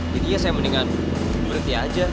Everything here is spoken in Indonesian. jadi ya saya mendingan berhenti aja